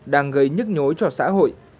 đang gây nhức nhối cho xã hội